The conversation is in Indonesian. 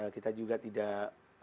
kita juga tidak